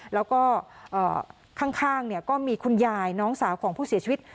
แล้วก็เอ่อข้างข้างเนี้ยก็มีคุณยายน้องสาวของผู้เสียชีวิต